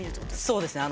そうですね。